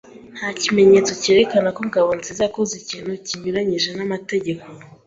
Nta kimenyetso cyerekana ko Ngabonzizayakoze ikintu kinyuranyije n'amategeko.